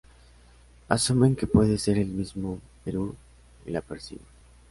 Asumen que puede ser el mismo Heru’ur, y la persiguen.